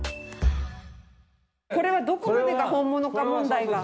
これはどこまでが本物か問題が。